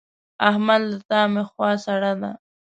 احمد له تا مې خوا سړه ده.